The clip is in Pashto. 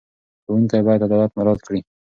ښوونکي باید عدالت مراعت کړي.